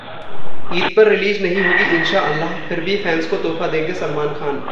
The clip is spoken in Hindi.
ईद पर रिलीज नहीं होगी इंशाअल्लाह? फिर भी फैंस को तोहफा देंगे सलमान खान